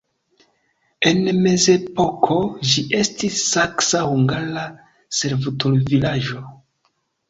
En mezepoko ĝi estis saksa-hungara servutulvilaĝo.